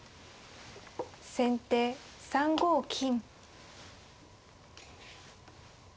先手３五金。